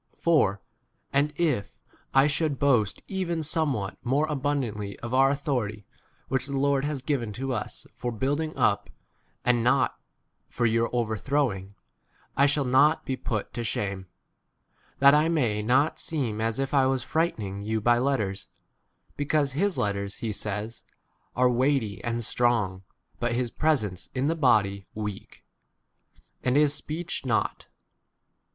c For and if I should boast even some what more abundantly of our authority, which the Lord has given to us for building up and not for your overthrowing, I shall 9 not be put to shame ; that I may not seem as if I was frightening 10 you by letters : because his letters, he says, [are] weighty and strong, but his presence in the body 11 weak, and his speech naught.